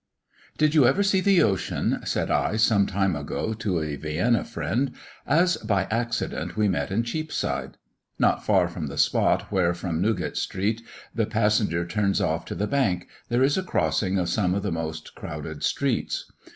"Did you ever see the ocean?" said I, some time ago, to a Vienna friend, as by accident we met in Cheapside. Not far from the spot where from Newgate street the passenger turns off to the Bank, there is a crossing of some of the most crowded streets.